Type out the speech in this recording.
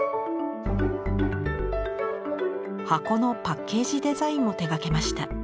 箱のパッケージデザインも手がけました。